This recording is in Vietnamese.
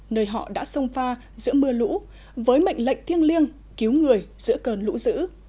nơi họ đã sông pha giữa mưa lũ với mệnh lệnh thiêng liêng cứu người giữa cơn lũ dữ